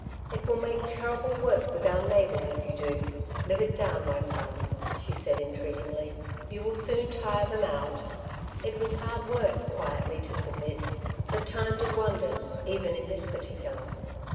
'' It will make terrible work with our neighbours if you do ; live it down, my son>^^ she said entreat ingly ;'* you will soon tire them out/' It was hard work quietly to submit, but time did wonders even in this particular.